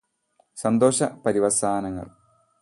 സന്തോഷ പര്യവസാനങ്ങള്